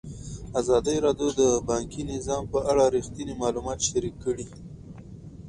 ازادي راډیو د بانکي نظام په اړه رښتیني معلومات شریک کړي.